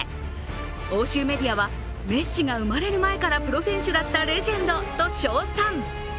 欧州メディアはメッシが生まれる前からプロ選手だったレジェンドと称賛。